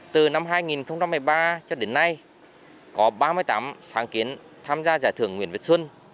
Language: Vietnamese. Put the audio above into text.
từ năm hai nghìn một mươi ba cho đến nay có ba mươi tám sáng kiến tham gia giải thưởng nguyễn việt xuân